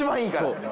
そう。